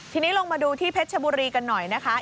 ทีนี้ลงมาดูที่เพชรชบุรีกันหน่อยนะคะ